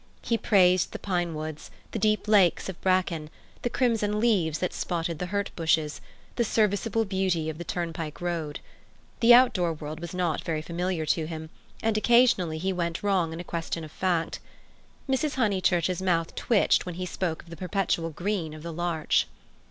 He praised the pine woods, the deep lasts of bracken, the crimson leaves that spotted the hurt bushes, the serviceable beauty of the turnpike road. The outdoor world was not very familiar to him, and occasionally he went wrong in a question of fact. Mrs. Honeychurch's mouth twitched when he spoke of the perpetual green of the larch.